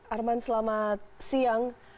arman selamat siang